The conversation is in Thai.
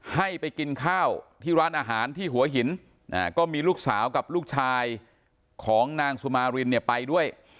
ให้ไปกินข้าวที่ร้านอาหารที่หัวหินก็มีลูกสาวกับลูกชายของนางสุมารินเนี่ยไปด้วย